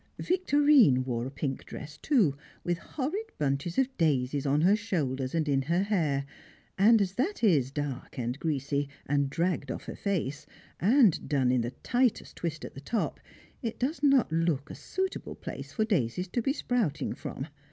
_" Victorine wore a pink dress too, with horrid bunches of daisies on her shoulders and in her hair; and, as that is dark and greasy, and dragged off her face, and done in the tightest twist at the top, it does not look a suitable place for daisies to be sprouting from.